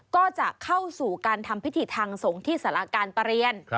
ก็จะเข้าสู่การทำพิธีทางสงฆ์ที่สารการประเรียน